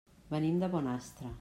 Venim de Bonastre.